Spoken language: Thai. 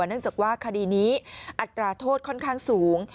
เนื่องจากว่าคดีนี้อัตราโทษค่อนข้างสูง